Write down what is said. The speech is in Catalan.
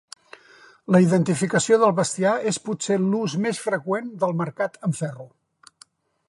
La identificació del bestiar és potser l'ús més freqüent del marcat amb ferro.